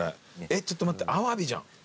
えっちょっと待ってアワビじゃん。